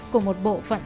của một bộ phận